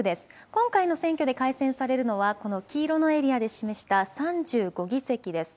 今回の選挙で改選されるのはこの黄色のエリアで示した３５議席です。